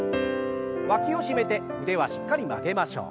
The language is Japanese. わきを締めて腕はしっかり曲げましょう。